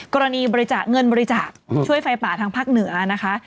กรณีบริจาคเงินบริจาคช่วยไฟป่าทางภาคเหนือนะคะ